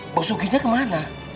mbok suginya kemana